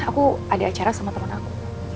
aku ada acara sama temen aku